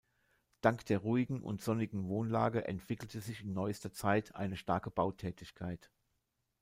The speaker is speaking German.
Dank der ruhigen und sonnigen Wohnlage entwickelte sich in neuester Zeit eine starke Bautätigkeit.